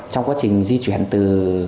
trong quá trình di chuyển từ